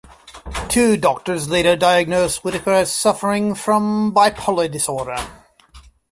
Two doctors later diagnosed Whitacre as suffering from bipolar disorder.